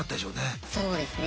そうですね。